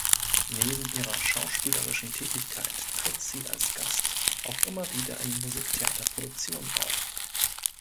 Neben ihrer schauspielerischen Tätigkeit tritt sie als Gast auch immer wieder in Musiktheaterproduktionen auf.